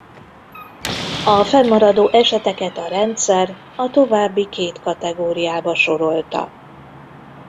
A fennmaradó eseteket a rendszer a további két kategóriába sorolta.